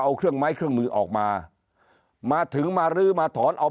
เอาเครื่องไม้เครื่องมือออกมามาถึงมาลื้อมาถอนเอา